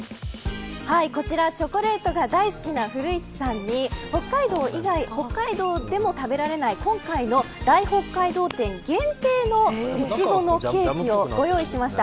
こちらチョコレートが大好きな古市さんに北海道でも食べられない今回の、大北海道展限定のイチゴのケーキをご用意しました。